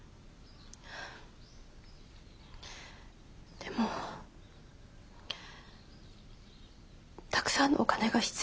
でもたくさんのお金が必要で。